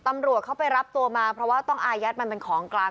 ตำรวจเข้าไปรับตัวมาเพราะว่าต้องอายัดมันเป็นของกลาง